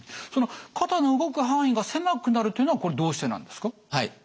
その肩の動く範囲が狭くなるというのはこれどうしてなんですか？